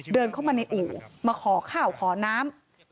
เดินเข้ามาในอู่มาขอข้าวขอน้ำ